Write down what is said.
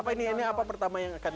apa ini apa pertama yang akan